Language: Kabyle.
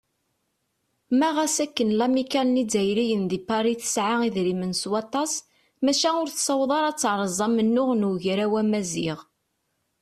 Ma ɣas akken lamikkal n yizzayriyen di Pari tesɛa idrimen s waṭas, maca ur tessaweḍ ara ad teṛṛez amennuɣ n Ugraw Amaziɣ.